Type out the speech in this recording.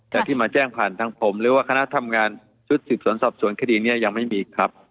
แต่ที่มาแจ้งผ่านทางผมหรือว่าคณะทำงานชุดสืบสวนสอบสวนคดีนี้ยังไม่มีครับ